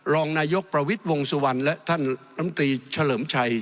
รองนายกประวิทย์วงสุวรรณและท่านลำตรีเฉลิมชัย